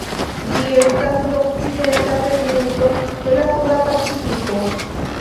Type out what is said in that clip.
Ĝi estas sudokcidenta segmento de la Suda Pacifiko.